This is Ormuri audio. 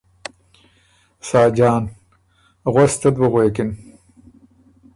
ساجان ـــ ”غؤس څۀ ت بُو غوېکِن“